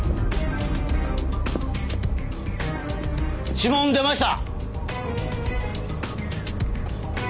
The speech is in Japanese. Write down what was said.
指紋出ました！